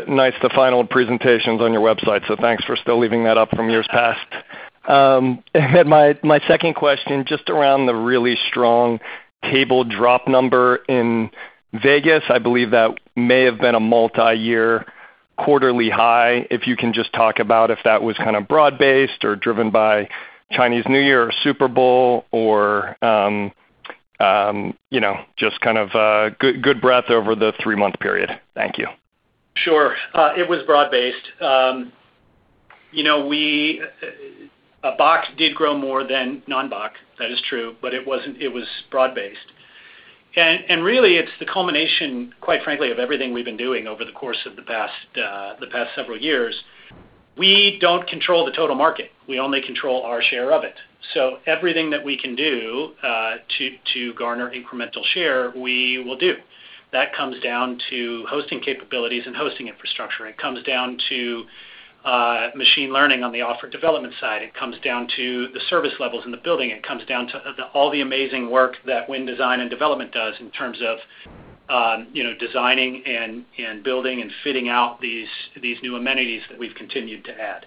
nice to find old presentations on your website, so thanks for still leaving that up from years past. My second question, just around the really strong table drop number in Vegas. I believe that may have been a multi-year quarterly high. If you can just talk about if that was kind of broad-based or driven by Chinese New Year or Super Bowl or, you know, just kind of a good breadth over the three-month period. Thank you. Sure. It was broad-based. You know, we, box did grow more than non-box, that is true, but it was broad-based. Really, it's the culmination, quite frankly, of everything we've been doing over the course of the past several years. We don't control the total market. We only control our share of it. Everything that we can do to garner incremental share, we will do. That comes down to hosting capabilities and hosting infrastructure. It comes down to machine learning on the offer development side. It comes down to the service levels in the building. It comes down to all the amazing work that Wynn Design & Development does in terms of, you know, designing and building and fitting out these new amenities that we've continued to add.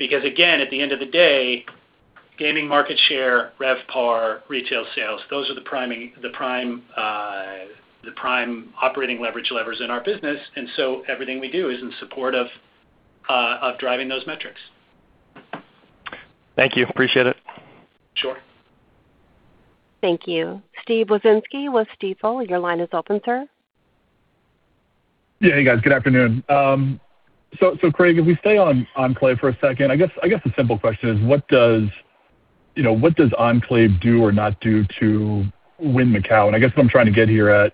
At the end of the day, gaming market share, RevPAR, retail sales, those are the prime operating leverage levers in our business. Everything we do is in support of driving those metrics. Thank you. Appreciate it. Sure. Thank you. Steve Wieczynski with Stifel, your line is open, sir. Yeah, hey, guys. Good afternoon. Craig, if we stay on Enclave for a second, I guess the simple question is, what does, you know, what does Enclave do or not do to Wynn Macau? I guess what I'm trying to get here is,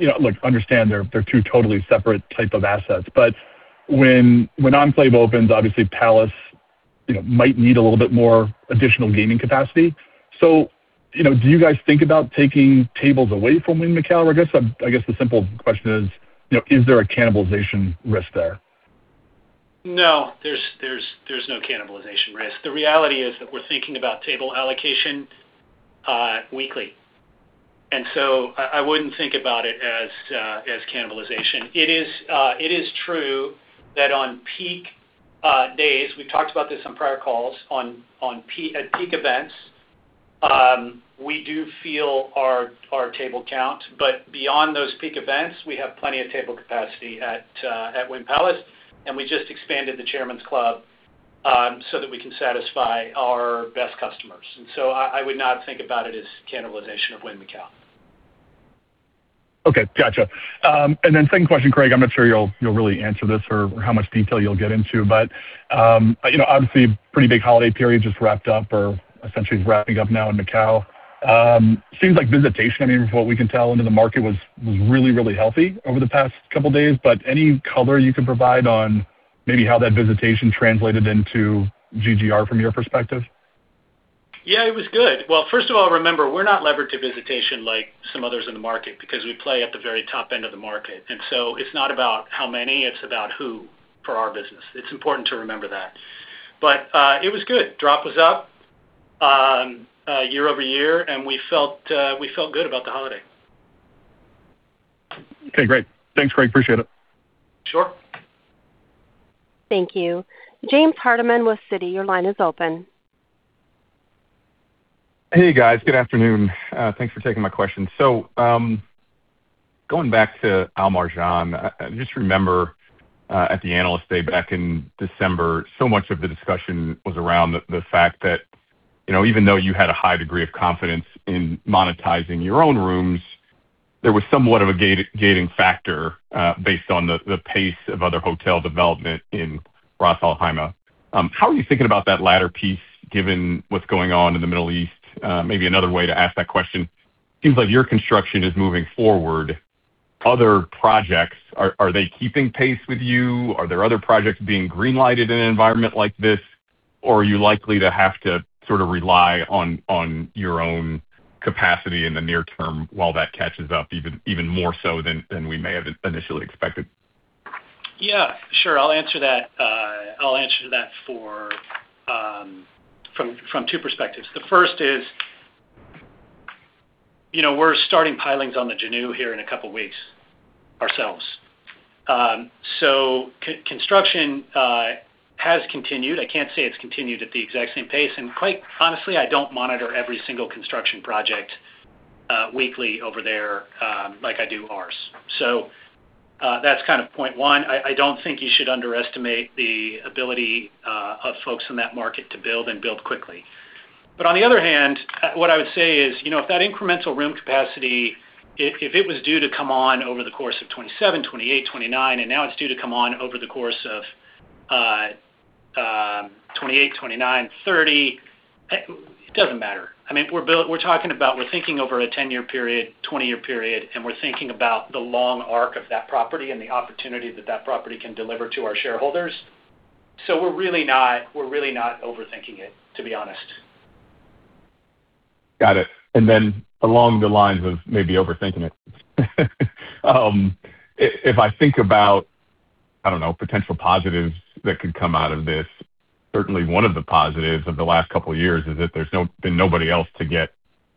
you know, look, understand they're two totally separate type of assets. When Enclave opens, obviously Palace, you know, might need a little bit more additional gaming capacity. Do you guys think about taking tables away from Wynn Macau? I guess the simple question is, you know, is there a cannibalization risk there? No, there's no cannibalization risk. The reality is that we're thinking about table allocation weekly. I wouldn't think about it as cannibalization. It is true that on peak days, we've talked about this on prior calls, at peak events, we do feel our table count. Beyond those peak events, we have plenty of table capacity at Wynn Palace, and we just expanded the Chairman's Club so that we can satisfy our best customers. I would not think about it as cannibalization of Wynn Macau. Okay. Gotcha. Second question, Craig, I'm not sure you'll really answer this or how much detail you'll get into, but, you know, obviously, pretty big holiday period just wrapped up or essentially is wrapping up now in Macau. Seems like visitation, I mean, from what we can tell into the market was really, really healthy over the past couple of days. Any color you can provide on maybe how that visitation translated into GGR from your perspective? Yeah, it was good. Well, first of all, remember, we're not levered to visitation like some others in the market because we play at the very top end of the market. It's not about how many, it's about who for our business. It's important to remember that. It was good. Drop was up year-over-year, and we felt good about the holiday. Okay, great. Thanks, Craig. Appreciate it. Sure. Thank you. James Hardiman with Citi, your line is open. Hey, guys. Good afternoon. Thanks for taking my questions. Going back to Al Marjan, just remember, at the Analyst Day back in December, so much of the discussion was around the fact that, you know, even though you had a high degree of confidence in monetizing your own rooms, there was somewhat of a gating factor, based on the pace of other hotel development in Ras Al Khaimah. How are you thinking about that latter piece, given what's going on in the Middle East? Maybe another way to ask that question, seems like your construction is moving forward. Other projects, are they keeping pace with you? Are there other projects being green-lighted in an environment like this? Are you likely to have to sort of rely on your own capacity in the near term while that catches up even more so than we may have initially expected? Yeah, sure. I'll answer that for from two perspectives. The first is, you know, we're starting pilings on the Geneve here in a couple of weeks ourselves. Construction has continued. I can't say it's continued at the exact same pace. Quite honestly, I don't monitor every single construction project weekly over there like I do ours. That's kind of point one. I don't think you should underestimate the ability of folks in that market to build and build quickly. On the other hand, what I would say is, you know, if that incremental room capacity, if it was due to come on over the course of 2027, 2028, 2029, and now it's due to come on over the course of 2028, 2029, 2030. It doesn't matter. I mean, we're talking about, we're thinking over a 10-year period, 20-year period, and we're thinking about the long arc of that property and the opportunity that that property can deliver to our shareholders. We're really not overthinking it, to be honest. Got it. Along the lines of maybe overthinking it. If I think about potential positives that could come out of this, certainly one of the positives of the last couple of years is that there's been nobody else to get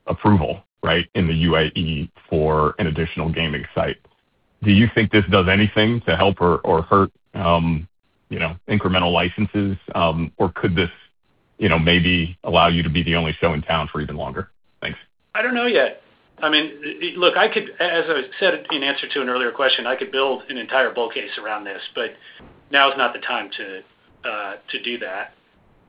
approval, right? In the UAE for an additional gaming site. Do you think this does anything to help or hurt incremental licenses? Could this maybe allow you to be the only show in town for even longer? Thanks. I don't know yet. I mean, look, as I said in answer to an earlier question, I could build an entire bull case around this, but now is not the time to do that.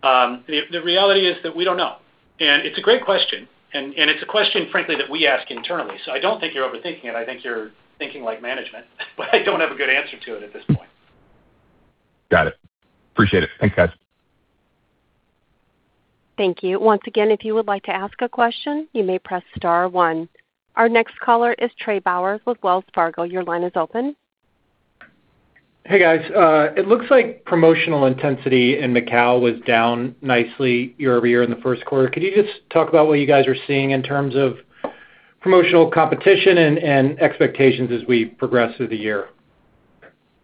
The reality is that we don't know. It's a great question. It's a question, frankly, that we ask internally. I don't think you're overthinking it. I think you're thinking like management, but I don't have a good answer to it at this point. Got it. Appreciate it. Thanks, guys. Thank you. Once again, if you would like to ask a question, you may press star one. Our next caller is Trey Bowers with Wells Fargo. Your line is open. Hey, guys. It looks like promotional intensity in Macau was down nicely year-over-year in the first quarter. Could you just talk about what you guys are seeing in terms of promotional competition and expectations as we progress through the year?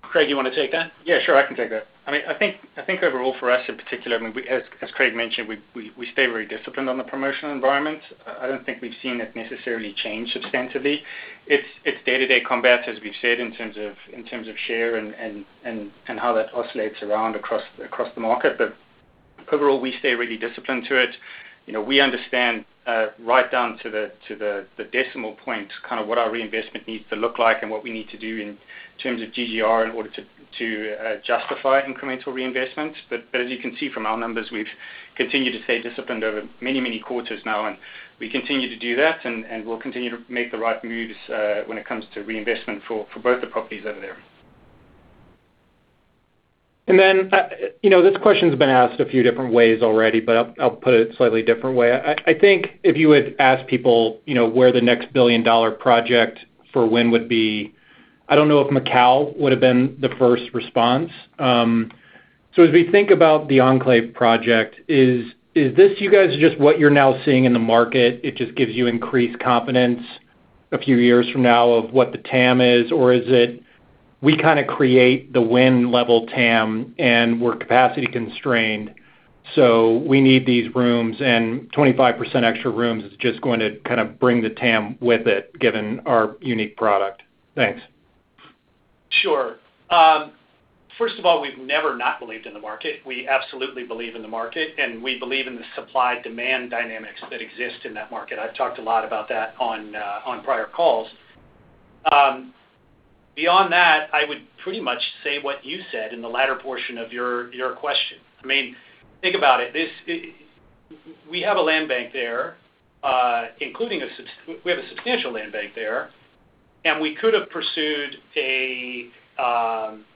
Craig, you want to take that? Yeah, sure. I can take that. I mean, I think overall for us, in particular, I mean, as Craig mentioned, we stay very disciplined on the promotional environment. I don't think we've seen it necessarily change substantively. It's day-to-day combat, as we've said, in terms of share and how that oscillates around across the market. Overall, we stay really disciplined to it. You know, we understand right down to the decimal point, kind of what our reinvestment needs to look like and what we need to do in terms of GGR in order to justify incremental reinvestment. As you can see from our numbers, we've continued to stay disciplined over many quarters now, and we continue to do that, and we'll continue to make the right moves when it comes to reinvestment for both the properties over there. You know, this question's been asked a few different ways already, but I'll put it a slightly different way. I think if you had asked people, you know, where the next billion-dollar project for Wynn would be, I don't know if Macau would have been the first response. As we think about the Enclave project, is this you guys just what you're now seeing in the market? It just gives you increased confidence a few years from now of what the TAM is? Or is it we kinda create the Wynn level TAM and we're capacity constrained, so we need these rooms and 25% extra rooms is just going to kind of bring the TAM with it, given our unique product? Thanks. Sure. First of all, we've never not believed in the market. We absolutely believe in the market, and we believe in the supply-demand dynamics that exist in that market. I've talked a lot about that on prior calls. Beyond that, I would pretty much say what you said in the latter portion of your question. I mean, think about it. We have a substantial land bank there, and we could have pursued a,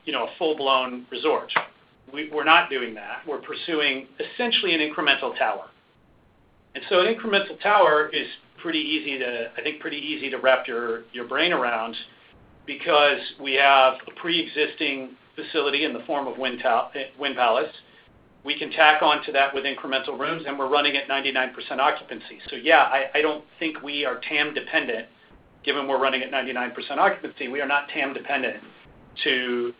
you know, a full-blown resort. We're not doing that. We're pursuing essentially an incremental tower. An incremental tower is pretty easy to, I think, pretty easy to wrap your brain around because we have a pre-existing facility in the form of Wynn Palace. We can tack onto that with incremental rooms, and we're running at 99% occupancy. Yeah, I don't think we are TAM dependent given we're running at 99% occupancy. We are not TAM dependent to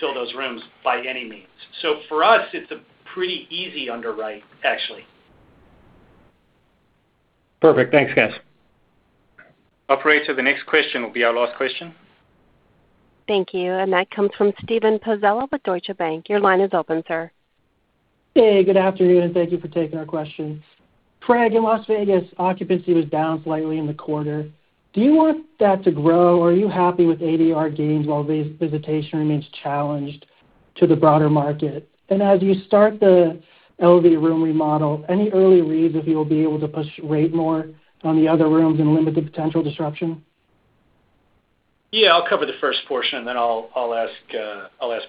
fill those rooms by any means. For us, it's a pretty easy underwrite, actually. Perfect. Thanks, guys. Operator, the next question will be our last question. Thank you. That comes from Steven Pizzella with Deutsche Bank. Your line is open, sir. Good afternoon, thank you for taking our questions. Craig, in Las Vegas, occupancy was down slightly in the quarter. Do you want that to grow? Are you happy with ADR gains while visitation remains challenged to the broader market? As you start the LV room remodel, any early reads if you'll be able to push rate more on the other rooms and limit the potential disruption? Yeah, I'll cover the first portion, then I'll ask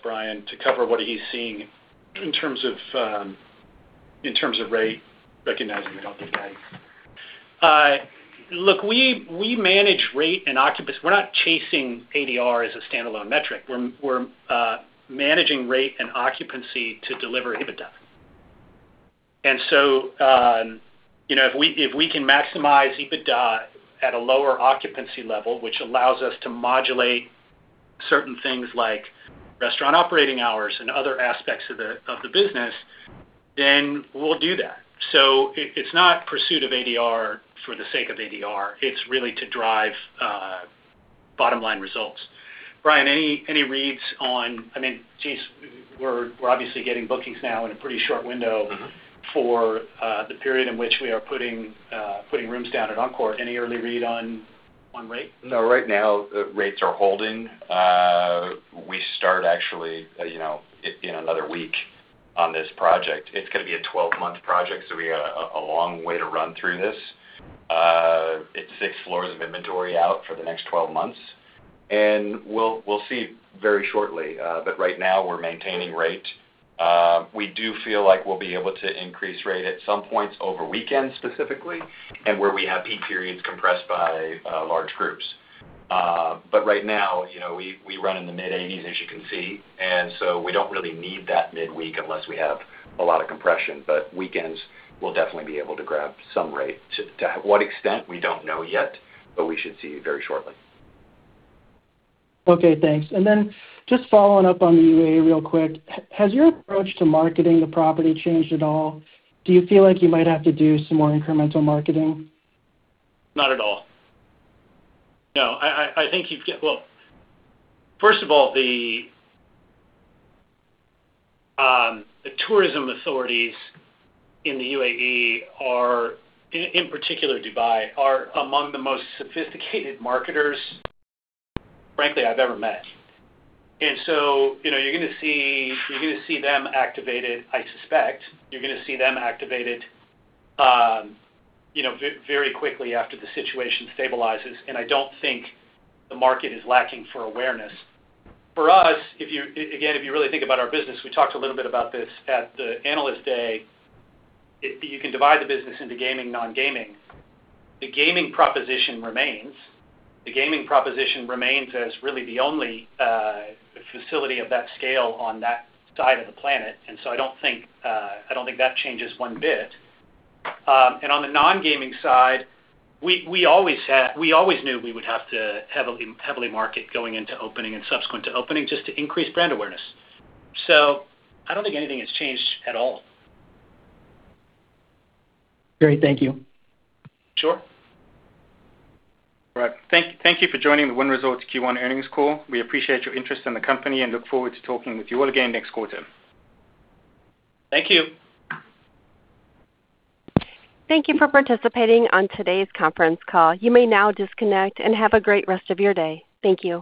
Brian to cover what he's seeing in terms of rate, recognizing we don't give guidance. Look, we manage rate. We're not chasing ADR as a standalone metric. We're managing rate and occupancy to deliver EBITDA. You know, if we can maximize EBITDA at a lower occupancy level, which allows us to modulate certain things like restaurant operating hours and other aspects of the business, then we'll do that. It's not pursuit of ADR for the sake of ADR, it's really to drive bottom-line results. Brian, any reads on I mean, jeez, we're obviously getting bookings now in a pretty short window. The period in which we are putting rooms down at Encore. Any early read on rate? No. Right now, rates are holding. We start actually, you know, in another week on this project. It's gonna be a 12-month project, we got a long way to run through this. It's six floors of inventory out for the next 12 months. We'll see very shortly. Right now we're maintaining rate. We do feel like we'll be able to increase rate at some points over weekends specifically and where we have peak periods compressed by large groups. Right now, you know, we run in the mid-eighties, as you can see, we don't really need that midweek unless we have a lot of compression. Weekends, we'll definitely be able to grab some rate. To what extent, we don't know yet, we should see very shortly. Okay, thanks. Just following up on the UAE real quick. Has your approach to marketing the property changed at all? Do you feel like you might have to do some more incremental marketing? Not at all. No, I think Well, first of all, the tourism authorities in the UAE are in particular Dubai, are among the most sophisticated marketers, frankly, I've ever met. You know, you're gonna see them activated, I suspect. You're gonna see them activated, you know, very quickly after the situation stabilizes, and I don't think the market is lacking for awareness. For us, if you again, if you really think about our business, we talked a little bit about this at the Analyst Day. You can divide the business into gaming, non-gaming. The gaming proposition remains. The gaming proposition remains as really the only facility of that scale on that side of the planet. I don't think that changes one bit. On the non-gaming side, we always knew we would have to heavily market going into opening and subsequent to opening just to increase brand awareness. I don't think anything has changed at all. Great. Thank you. Sure. All right. Thank you for joining the Wynn Resorts Q1 earnings call. We appreciate your interest in the company and look forward to talking with you all again next quarter. Thank you. Thank you for participating on today's conference call. You may now disconnect and have a great rest of your day. Thank you.